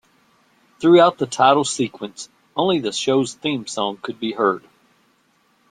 Throughout the title sequence, only the show's theme song could be heard.